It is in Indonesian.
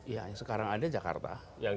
ya sekarang ada jakarta